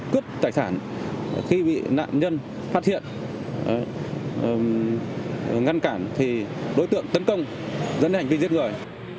cướp tài sản khi bị nạn nhân phát hiện ngăn cản thì đối tượng tấn công dẫn đến hành vi giết người